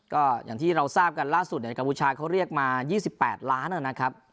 ก็อย่างที่เราทราบกันล่าสุดเนี่ยกัมพูชาเขาเรียกมา๒๘ล้านนะครับ